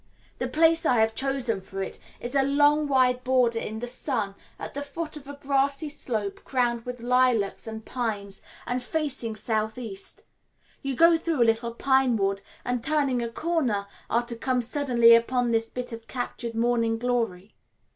The place I have chosen for it is a long, wide border in the sun, at the foot of a grassy slope crowned with lilacs and pines, and facing southeast. You go through a little pine wood, and, turning a corner, are to come suddenly upon this bit of captured morning glory.